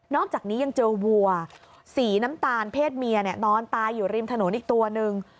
อกจากนี้ยังเจอวัวสีน้ำตาลเพศเมียนอนตายอยู่ริมถนนอีกตัวนึง